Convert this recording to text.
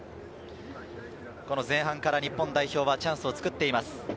前半から日本代表はチャンスを作っています。